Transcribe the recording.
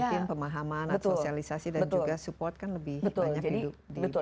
mungkin pemahaman sosialisasi dan juga support kan lebih banyak hidup di